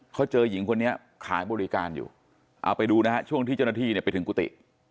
เขาเจอหญิงคนนี้ขายบริการอยู่เอาไปดูนะฮะช่วงที่เจ้าหน้าที่เนี่ยไปถึงกุฏิ